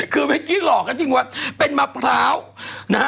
คือเมื่อกี้หลอกกันจริงว่าเป็นมะพร้าวนะฮะ